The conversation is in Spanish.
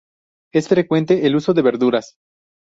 Es frecuente el uso de verduras.